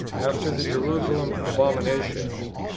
after the Jerusalem "abomination?"